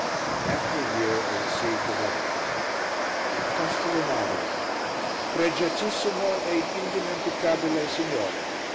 After a year I received a letter from him. "CASTELLINARIA. "PREGIATISSIMO E INDIMENTICABILE SIGNORE!